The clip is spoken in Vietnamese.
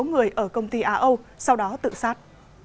một số người ở công ty aâu sau đó tự sát